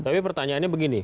tapi pertanyaannya begini